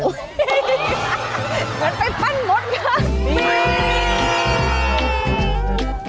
เหมือนไปปั้นมดค่ะ